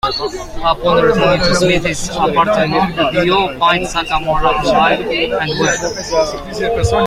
Upon returning to Smith's apartment, the duo find Sakamura alive and well.